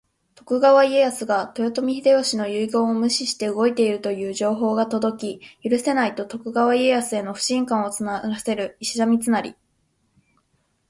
徳川家康が豊臣秀吉の遺言を無視して動いているという情報が届き、「許せない！」と徳川家康への不信感を募らせる石田三成。